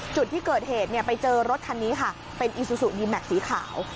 จุดที่เกิดเหตุไปเจอรถคันนี้ค่ะเป็นอีซูซูดีแม็กซีขาว